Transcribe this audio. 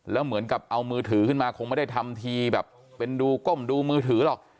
แล้วเหมือนกับเอามือถือขึ้นมาคงไม่ได้ทำทีแบบเป็นดูก้มดูมือถือหรอก